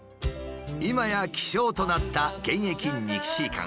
今や希少となった現役ニキシー管。